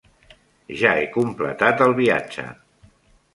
Ja he completat el viatge.